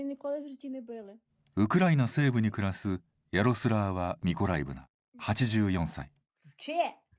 ウクライナ西部に暮らすヤロスラーワ・ミコライブナ８４歳。